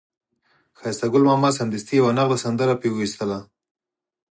ښایسته ګل ماما سمدستي یوه نغده سندره پرې وویستله.